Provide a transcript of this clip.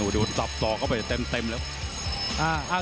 ดูสับส่องเข้าไปเต็มแล้ว